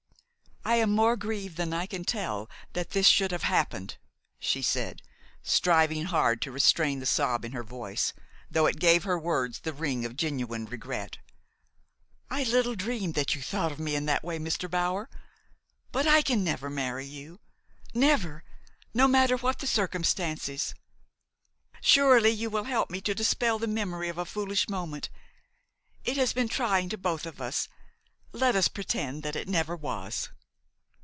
"I am more grieved than I can tell that this should have happened," she said, striving hard to restrain the sob in her voice, though it gave her words the ring of genuine regret. "I little dreamed that you thought of me in that way, Mr. Bower. But I can never marry you never, no matter what the circumstances! Surely you will help me to dispel the memory of a foolish moment. It has been trying to both of us. Let us pretend that it never was."